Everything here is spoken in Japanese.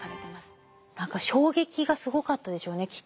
何か衝撃がすごかったでしょうねきっと。